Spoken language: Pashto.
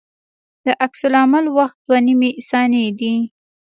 د عکس العمل وخت دوه نیمې ثانیې دی